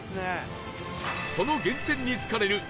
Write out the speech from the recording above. その源泉につかれる世界